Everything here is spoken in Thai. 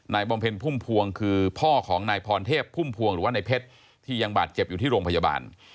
บำเพ็ญพุ่มพวงคือพ่อของนายพรเทพพุ่มพวงหรือว่าในเพชรที่ยังบาดเจ็บอยู่ที่โรงพยาบาล